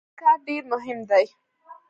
د خبریال کار ډېر مهم دی.